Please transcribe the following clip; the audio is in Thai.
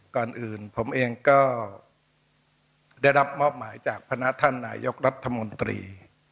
ก่อนอื่นผมเองก็ได้รับมอบหมายจากพนักท่านนายกรัฐมนตรี